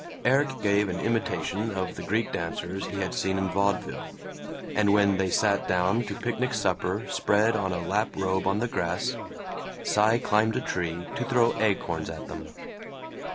Erik gave an imitation of the Greek dancers he had seen in vaudeville, and when they sat down to picnic supper spread on a lap robe on the grass, Cy climbed a tree to throw acorns at them.